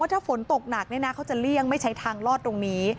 ว่าถ้าฝนตกหนักเนี้ยนะเขาจะเลี่ยงไม่ใช้ทางรอดตรงนี้